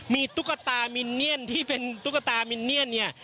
มีตุ๊กตามินเนียนที่เป็นตุ๊กตามินเนียนเนี่ย